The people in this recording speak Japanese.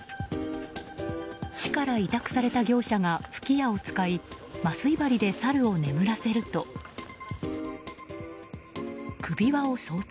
市から委託された業者が吹き矢を使い麻酔針でサルを眠らせると首輪を装着。